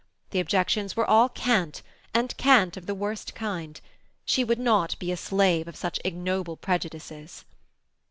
The objections were all cant, and cant of the worst kind. She would not be a slave of such ignoble prejudices.